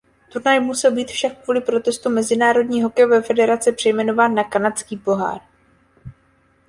Turnaj musel však být kvůli protestu Mezinárodní hokejové federace přejmenován na "Kanadský pohár".